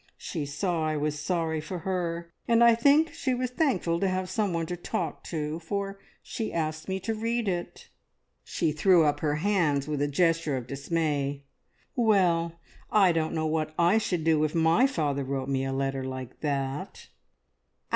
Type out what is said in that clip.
She saw I was sorry for her, and I think she was thankful to have someone to talk to, for she asked me to read it." She threw up her hands with a gesture of dismay. "Well, I don't know what I should do if my father wrote me a letter like that!"